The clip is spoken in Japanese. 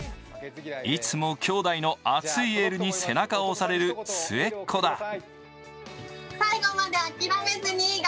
いつも兄弟の熱いエールに背中を押される末っ子だ。